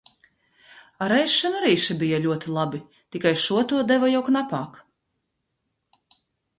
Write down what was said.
Ar ēšanu arī še bija ļoti labi, tikai šo to deva jau knapāk.